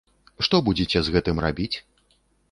Што будзеце з гэтым рабіць?